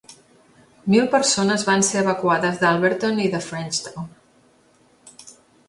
Mil persones van ser evacuades d'Alberton i de Frenchtown.